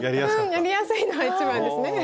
やりやすいのは一番ですね。